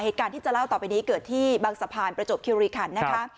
เหตุการณ์ที่จะเล่าต่อไปนี้เกิดที่บางสะพานประจวบคิวรีคันนะคะ